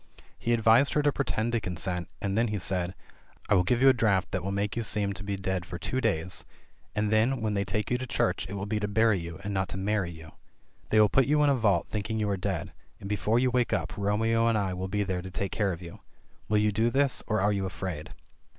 He advised her to pretend to consent, and then he said : "I will give you a draught that will make you seem to be dead for two days, and then when they take you to church it will be to bury you, and not to marry you. They will put you in a vault think ing you are dead, and before you wake up Romeo and I will be there to take care of you. Will you do this, or) are you afraid?"